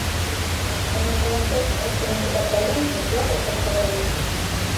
Ә мәҡәләңдә күрһәтелгән китаптарҙы мотлаҡ уҡып сығырмын.